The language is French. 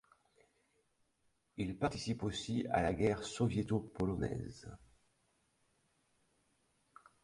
Il participe aussi à la guerre soviéto-polonaise.